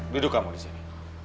duduk kamu di sini